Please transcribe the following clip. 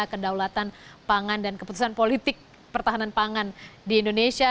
kedaulatan pangan dan keputusan politik pertahanan pangan di indonesia